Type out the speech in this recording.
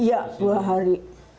iya dua hari